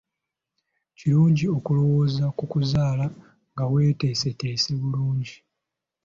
Kirungi okulowooza ku kuzaala nga weeteeseteese bulungi.